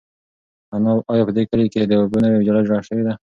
آیا په دې کلي کې د اوبو نوې ویاله جوړه شوې ده؟